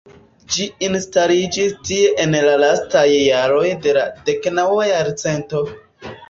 Ĝi instaliĝis tie en la lastaj jaroj de la deknaŭa jarcento.